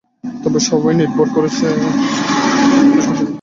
তবে সবই নির্ভর করছে কতটা ব্যথা তিনি সহ্য করতে পারবেন সেটার ওপর।